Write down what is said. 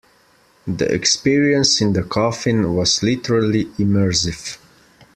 The experience in the coffin was literally immersive.